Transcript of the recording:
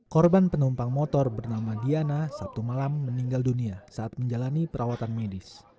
korban penumpang motor bernama diana sabtu malam meninggal dunia saat menjalani perawatan medis